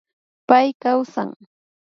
Pay kawsan